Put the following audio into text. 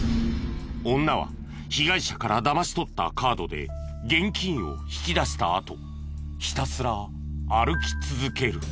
女は被害者からだまし取ったカードで現金を引き出したあとひたすら歩き続ける。